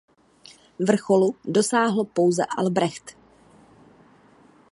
Vrcholu dosáhl pouze Albrecht.